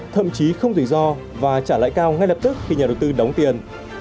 thậm chí không rủi ro và trả lại cao ngay lập tức khi nhà đầu tư đóng tiền